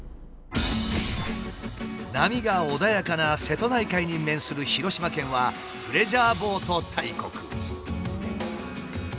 波が穏やかな瀬戸内海に面する広島県はプレジャーボート大国。